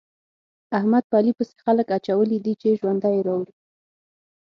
احمد په علي پسې خلګ اچولي دي چې ژوند يې راوړي.